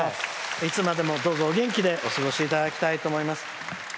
いつまでも、どうぞお元気でお過ごしいただきたいと思います。